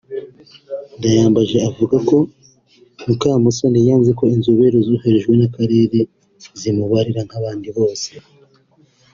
Ndayambaje avuga ko Mukamusoni yanze ko inzobere zoherejwe n’Akarere zimubarira nk’abandi bose